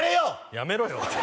やめろよ